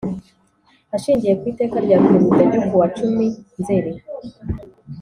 Ashingiye ku Iteka rya Perezida ryo kuwa cumi nzeri